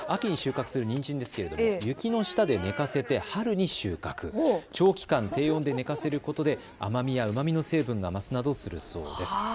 通常、秋に収穫するにんじんですが雪の下で寝かせて春に収穫、長期間低温で寝かせることで甘みやうまみの成分が増すなどするそうです。